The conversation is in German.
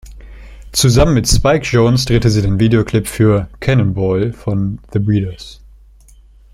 Zusammen mit Spike Jonze drehte sie den Videoclip für "Cannonball" von The Breeders.